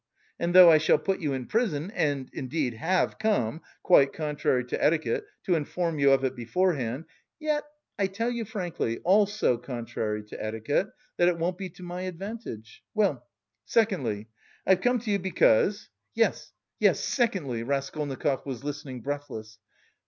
And though I shall put you in prison and indeed have come quite contrary to etiquette to inform you of it beforehand, yet I tell you frankly, also contrary to etiquette, that it won't be to my advantage. Well, secondly, I've come to you because..." "Yes, yes, secondly?" Raskolnikov was listening breathless.